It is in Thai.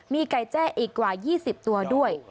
มีไก่แจ้อีกกว่า๒๐ตัวด้วย